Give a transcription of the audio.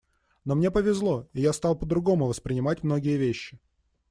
Но мне повезло, и я стал по-другому воспринимать многие вещи.